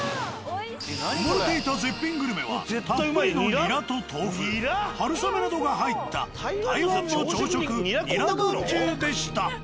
埋もれていた絶品グルメはたっぷりのニラと豆腐春雨などが入った台湾の朝食ニラまんじゅうでした。